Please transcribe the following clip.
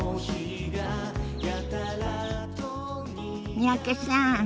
三宅さん